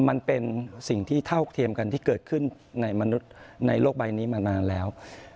มันเป็นสิ่งที่เท่าเทียมกันที่เกิดขึ้นในมนุษย์ในโลกใบนี้มานานแล้ว